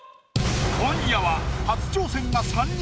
今夜は初挑戦が３人。